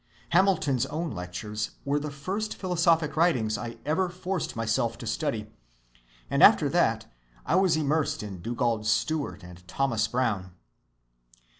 Hamilton's own lectures were the first philosophic writings I ever forced myself to study, and after that I was immersed in Dugald Stewart and Thomas Brown.